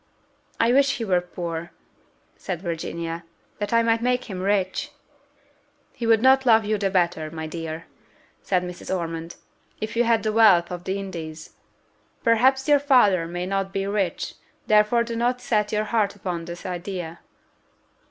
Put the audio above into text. "I wish he were poor," said Virginia, "that I might make him rich." "He would not love you the better, my dear," said Mrs. Ormond, "if you had the wealth of the Indies. Perhaps your father may not be rich; therefore do not set your heart upon this idea."